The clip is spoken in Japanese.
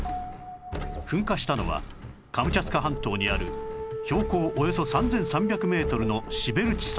噴火したのはカムチャツカ半島にある標高およそ３３００メートルのシベルチ山